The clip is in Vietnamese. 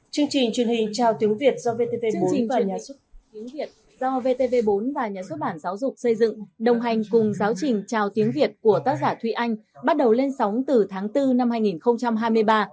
chương trình truyền hình chào tiếng việt do vtv bốn và nhà xuất bản giáo dục xây dựng đồng hành cùng giáo trình chào tiếng việt của tác giả thụy anh bắt đầu lên sóng từ tháng bốn năm hai nghìn hai mươi ba